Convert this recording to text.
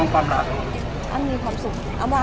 พออ้ามมันเป็นคนชี้แม่ให้